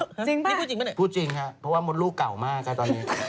นี่พูดจริงปะไหนพูดจริงครับเพราะว่ามดลูกเก่ามากครับตอนนี้